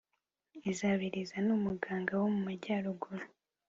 Izabiriza numuganga wo mumajyaruguru